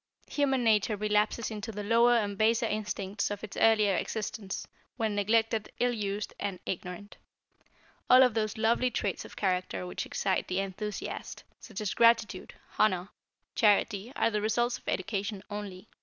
Human nature relapses into the lower and baser instincts of its earlier existence, when neglected, ill used and ignorant. All of those lovely traits of character which excite the enthusiast, such as gratitude, honor, charity are the results of education only.